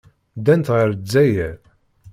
Ddant ɣer Lezzayer.